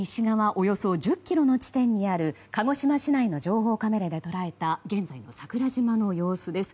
およそ１０ｋｍの地点にある鹿児島市内の情報カメラが捉えた現在の桜島の様子です。